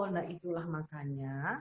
nah itulah makanya